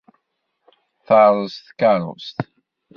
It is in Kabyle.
Terreẓ tkerrust.